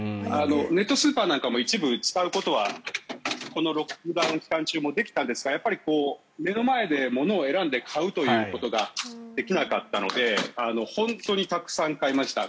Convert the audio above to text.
ネットスーパーなんかも一部使うことはこのロックダウン期間中もできたんですがやっぱり、目の前でものを選んで買うということができなかったので本当にたくさん買いました。